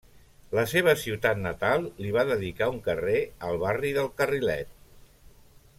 La seva ciutat natal li va dedicar un carrer al barri del Carrilet.